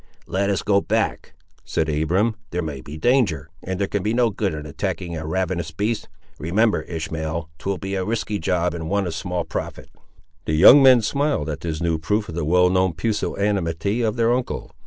"Let us go back," said Abiram; "there may be danger, and there can be no good in attacking a ravenous beast. Remember, Ishmael, 'twill be a risky job, and one of small profit!" The young men smiled at this new proof of the well known pusillanimity of their uncle.